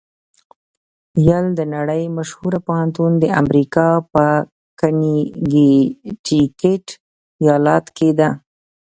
یل د نړۍ مشهوره پوهنتون د امریکا په کنېکټیکیټ ایالات کې ده.